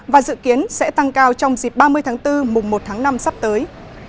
và dự kiến sẽ tăng cao trong dịp ba mươi tháng bốn mùng một tháng năm sắp tới